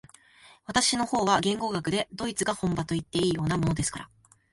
私の方は言語学でドイツが本場といっていいようなものですから、